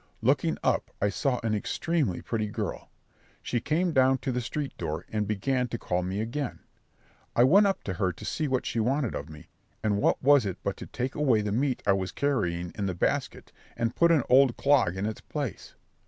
Looking up I saw an extremely pretty girl; she came down to the street door, and began to call me again. I went up to her to see what she wanted of me; and what was it but to take away the meat I was carrying in the basket and put an old clog in its place?